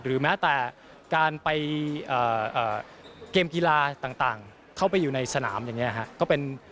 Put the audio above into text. แม้แต่การไปเกมกีฬาต่างเข้าไปอยู่ในสนามอย่างนี้ครับ